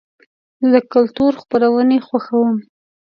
زه د کلتور خپرونې خوښوم.